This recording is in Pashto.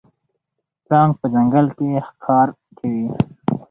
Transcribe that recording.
پړانګ په ځنګل کې ښکار کوي.